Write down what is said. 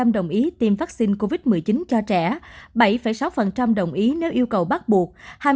sáu mươi sáu đồng ý tiêm vaccine covid một mươi chín cho trẻ bảy sáu đồng ý nếu yêu cầu bắt buộc